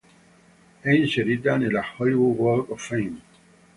È inserita nella Hollywood Walk of Fame.